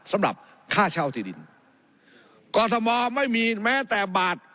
สำหรับค่าเช่าที่ดินกรทมไม่มีแม้แต่บาท